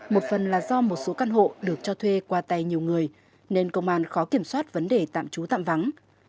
một phần là do một số căn hộ được cho thuê qua tay nhiều người nên công an khó kiểm soát vấn đề tạm trú tạm vắng